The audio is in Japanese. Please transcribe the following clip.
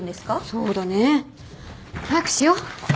そうだね。早くしよう。